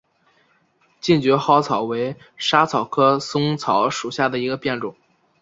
近蕨嵩草为莎草科嵩草属下的一个变种。